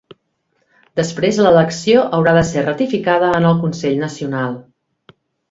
Després, l’elecció haurà de ser ratificada en el consell nacional.